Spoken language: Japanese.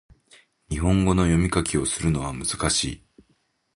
日本語を読み書きするのは難しい